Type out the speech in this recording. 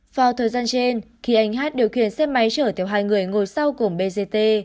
vào thời gian trên khi anh hát điều khiển xe máy chở theo hai người ngồi sau gồm bgt